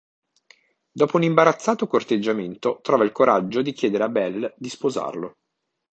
Dopo un imbarazzato corteggiamento trova il coraggio di chiedere a Bell di sposarlo.